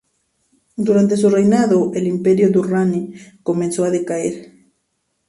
Durante su reinado, el Imperio durrani comenzó a decaer.